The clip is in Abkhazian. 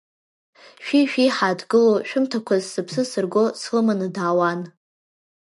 Шәи-шәи ҳааҭгыло, шәымҭақәак сыԥс сырго, слыманы даауан.